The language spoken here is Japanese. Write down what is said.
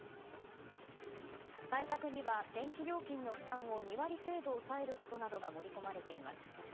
対策には電気料金の負担を２割程度抑えることなどが盛り込まれています。